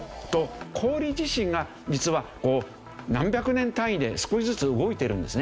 氷自身が実は何百年単位で少しずつ動いてるんですね。